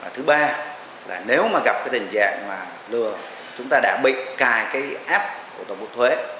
thứ ba là nếu mà gặp cái tình trạng mà lừa chúng ta đã bị cài cái app của tổng cục thuế